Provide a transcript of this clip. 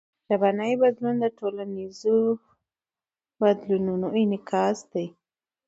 ژبنی بدلون د ټولنیزو بدلونونو انعکاس دئ.